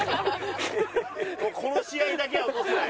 この試合だけは落とせない。